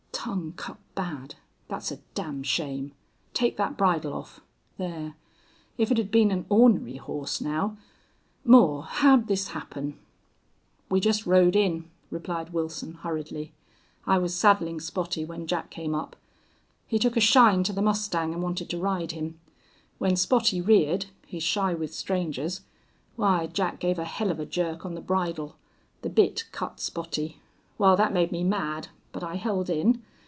"Tongue cut bad. Thet's a damn shame. Take thet bridle off.... There. If it'd been an ornery hoss, now.... Moore, how'd this happen?" "We just rode in," replied Wilson, hurriedly. "I was saddling Spottie when Jack came up. He took a shine to the mustang and wanted to ride him. When Spottie reared he's shy with strangers why, Jack gave a hell of a jerk on the bridle. The bit cut Spottie.... Well, that made me mad, but I held in.